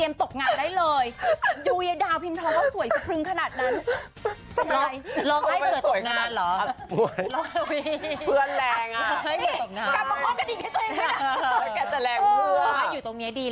ให้อยู่ตรงนี้ดีแล้วเพราะว่าสวยสมมงค์อยู่กัน๔๐ปี